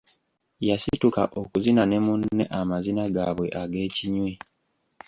Yasituka okuzina ne munne amazina gaabwe ag'ekinywi.